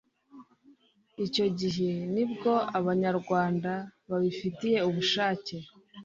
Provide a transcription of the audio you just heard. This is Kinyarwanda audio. Icyo gihe nibwo Abanyarwanda babifitiye ubushake